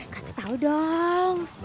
kasih tahu dong